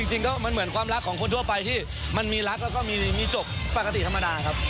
จริงก็มันเหมือนความรักของคนทั่วไปที่มันมีรักแล้วก็มีจบปกติธรรมดาครับ